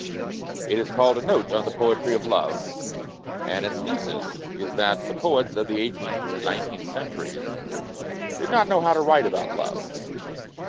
It is called "A Note on the Poetry of Love", and its thesis is that the poets of the eight eenth and nineteenth centuries did not know how to write about love.